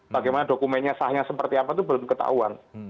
bagaimana dokumennya sahnya seperti apa itu belum ketahuan